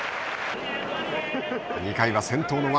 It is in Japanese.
２回は先頭の王。